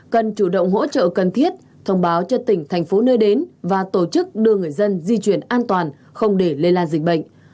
cần chủ động hỗ trợ cần thiết thông báo cho tỉnh thành phố nơi đến và tổ chức đưa người dân di chuyển an toàn không để lây lan dịch bệnh